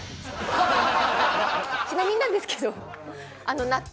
ちなみになんですけど納豆